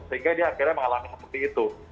sehingga dia akhirnya mengalami seperti itu